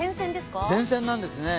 前線なんですね。